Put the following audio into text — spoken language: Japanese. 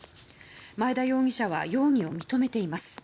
前田容疑者は容疑を認めています。